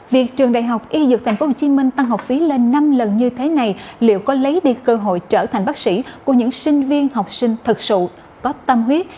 việc trường đại học y dược tp hcm tăng học phí lên năm lần như thế này liệu có lấy đi cơ hội trở thành bác sĩ của những sinh viên học sinh thật sự có tâm huyết